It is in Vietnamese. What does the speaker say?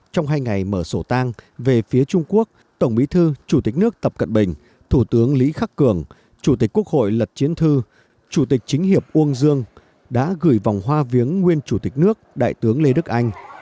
trong hai ngày mở sổ tang về phía trung quốc tổng bí thư chủ tịch nước tập cận bình thủ tướng lý khắc cường chủ tịch quốc hội lật chiến thư chủ tịch chính hiệp uông dương đã gửi vòng hoa viếng nguyên chủ tịch nước đại tướng lê đức anh